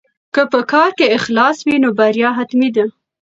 که په کار کې اخلاص وي نو بریا حتمي ده.